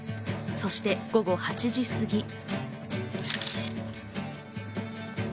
そして午後８時過ぎ。